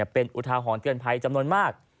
เป็นอุทาหรณ์เตือนภัยจำนวนมาก